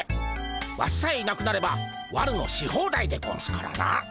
ワシさえいなくなれば悪のし放題でゴンスからな。